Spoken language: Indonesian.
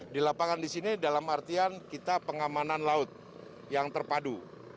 di lapangan di sini dalam artian kita pengamanan laut yang terpadu